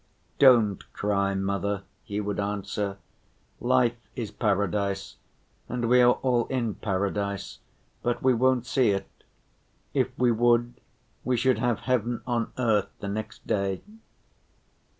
"Don't cry, mother," he would answer, "life is paradise, and we are all in paradise, but we won't see it, if we would, we should have heaven on earth the next day."